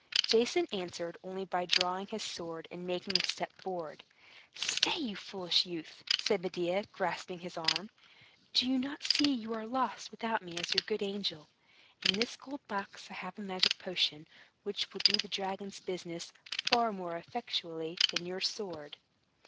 Jason answered only by drawing his sword, and making a step forward. "Stay, foolish youth," said Medea, grasping his arm. "Do not you see you are lost, without me as your good angel? In this gold box I have a magic potion, which will do the dragon's business far more effectually than your sword."